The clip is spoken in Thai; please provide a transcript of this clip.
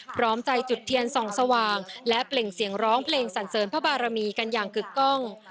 พร้อมใจจุดเทียนส่องสว่างและเปล่งเสียงร้องเพลงสันเสริญพระบารมีกันอย่างกึกกล้อง